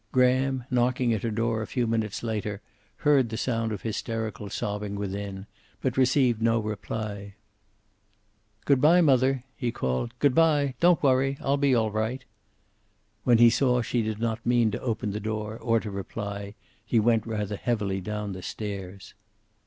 Graham, knocking at her door a few minutes later, heard the sound of hysterical sobbing, within, but received no reply. "Good by, mother," he called. "Good by. Don't worry. I'll be all right." When he saw she did not mean to open the door or to reply, he went rather heavily down the stairs.